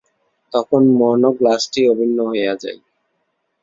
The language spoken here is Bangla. তখন মন ও গ্লাসটি অভিন্ন হইয়া যায়।